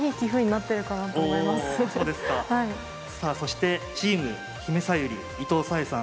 さあそしてチームひめさゆり伊藤沙恵さん。